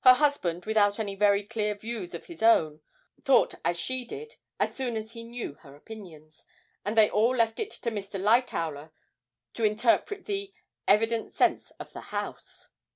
Her husband, without any very clear views of his own, thought as she did as soon as he knew her opinions, and they all left it to Mr. Lightowler to interpret the 'evident sense of the house.'